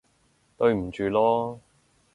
對唔住囉